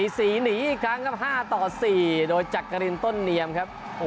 สีหนีอีกครั้งครับ๕ต่อ๔โดยจักรินต้นเนียมครับ